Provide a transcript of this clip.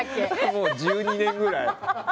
もう１２年ぐらい。